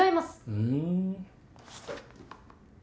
ふん。